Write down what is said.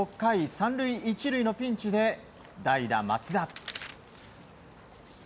３塁１塁のピンチで代打、松田。